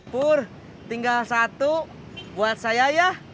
pur tinggal satu buat saya ya